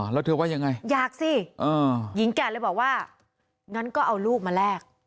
แล้วเธอว่ายังไงอยากสิหญิงแก่เลยบอกว่างั้นก็เอาลูกมาแลก